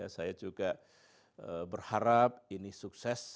saya juga berharap ini sukses